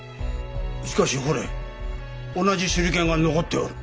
しかしほれ同じ手裏剣が残っておる。